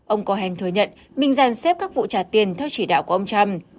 ông cohen thừa nhận mình giàn xếp các vụ trả tiền theo chỉ đạo của ông trump